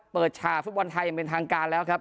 เปิดฉ่าฟุตบอลไทยเป็นทางการแล้วครับ